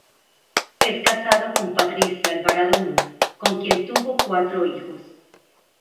Es casado con Patricia Alvarado Moore, con quien tuvo cuatro hijos.